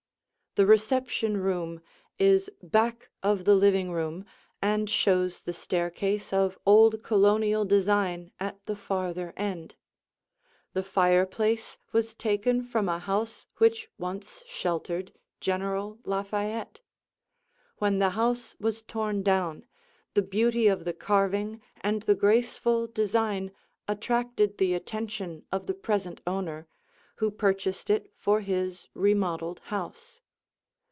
The reception room is back of the living room and shows the staircase of old Colonial design at the farther end. The fireplace was taken from a house which once sheltered General Lafayette. When the house was torn down, the beauty of the carving and the graceful design attracted the attention of the present owner, who purchased it for his remodeled house.